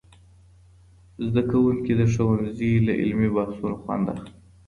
زدهکوونکي د ښوونځي له علمي بحثونو خوند اخلي.